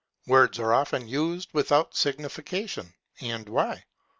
Words are often used without Signification, and Why.